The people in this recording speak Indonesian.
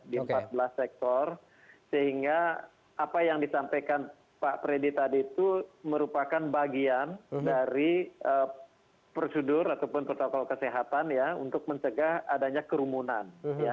di empat belas sektor sehingga apa yang disampaikan pak freddy tadi itu merupakan bagian dari prosedur ataupun protokol kesehatan ya untuk mencegah adanya kerumunan